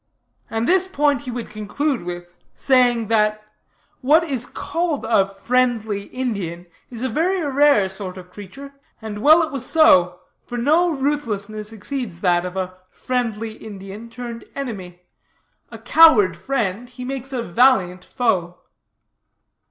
And this point he would conclude with saying, that, 'what is called a "friendly Indian" is a very rare sort of creature; and well it was so, for no ruthlessness exceeds that of a "friendly Indian" turned enemy. A coward friend, he makes a valiant foe.